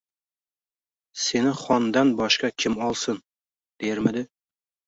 “Seni xondan boshqa kim olsin?” – dermidi?